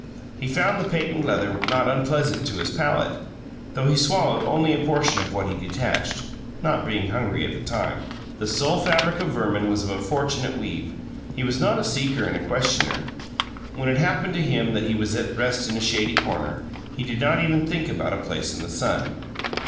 He found the patent leather not unpleasant to his palate, though he swallowed only a portion of what he detached, not being hungry at that time. The soul fabric of Verman was of a fortunate weave; he was not a seeker and questioner. When it happened to him that he was at rest in a shady corner, he did not even think about a place in the sun.